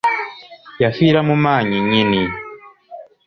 Yafiira mu maanyi nnyini!